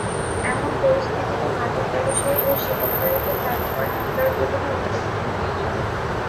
এমন পরিস্থিতিতে মাদক ব্যবসায়ী ও সেবনকারীদের তাঁর ওপর হামলার ঘটনা উদ্বেগজনক।